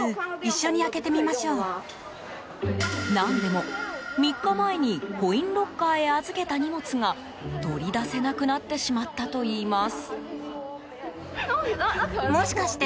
何でも、３日前にコインロッカーへ預けた荷物が取り出せなくなってしまったといいます。